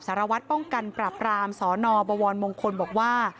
สารวัตรป้องกันปราบรามสนบวรมงคลบอกว่า